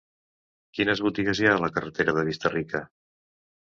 Quines botigues hi ha a la carretera de Vista-rica?